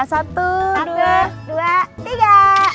satu dua tiga